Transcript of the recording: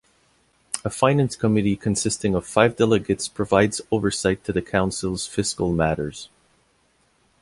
A Finance Committee consisting of five Delegates provides oversight to the Council's fiscal matters.